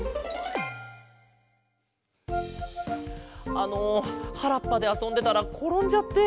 あのはらっぱであそんでたらころんじゃって。